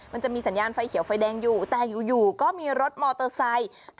มันจะมีสัญญาณไฟเขียวไฟแดงอยู่แต่อยู่ก็มีรถมอเตอร์ไซค์